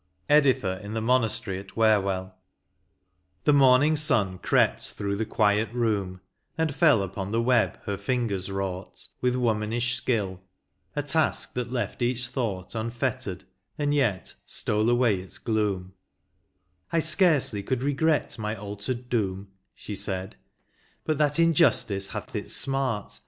173 LXXXVI. EDITHA IN THE MONASTERY AT WHERWELL. The morning sun crept through the quiet room, And fell upon the web her fingers wrought With womanish skill; a task that left each thought Unfettered, and yet stole away its gloom ;I scarcely could regret my altered doom," She said, '' but that injustice hath its smart.